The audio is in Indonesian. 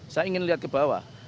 saya ingin lihat ke bawah